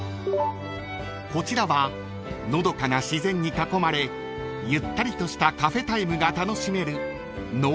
［こちらはのどかな自然に囲まれゆったりとしたカフェタイムが楽しめる］